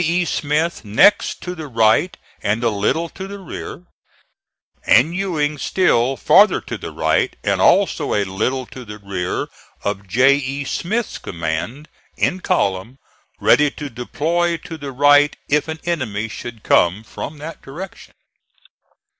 E. Smith next to the right and a little to the rear; and Ewing still farther to the right and also a little to the rear of J. E. Smith's command, in column, ready to deploy to the right if an enemy should come from that direction.